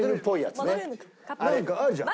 なんかあるじゃん。